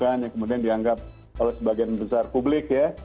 yang kemudian dianggap oleh sebagian besar publik ya